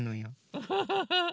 ウフフフ。